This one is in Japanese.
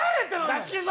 出し切るぞ。